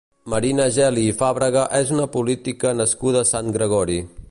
Marina Geli i Fàbrega és una política nascuda a Sant Gregori.